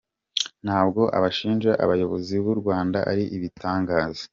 Ntabwo abashinja abayobozi b’u Rwanda ari ibitangaza.